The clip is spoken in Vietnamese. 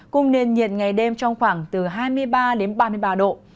cùng nền nhiệt ngày đêm trong khoảng từ hai mươi ba đến ba mươi ba độ